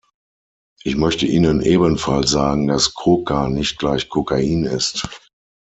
Ich möchte Ihnen ebenfalls sagen, dass Koka nicht gleich Kokain ist.